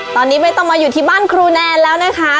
ตอนนี้ไม่ต้องมาอยู่ที่บ้านครูแนนแล้วนะคะ